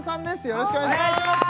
よろしくお願いします